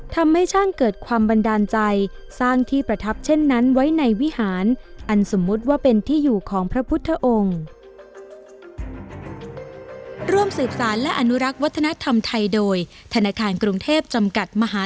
ทำให้ช่างเกิดความบันดาลใจสร้างที่ประทับเช่นนั้นไว้ในวิหารอันสมมุติว่าเป็นที่อยู่ของพระพุทธองค์